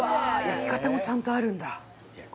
焼き方もちゃんとあるんだいや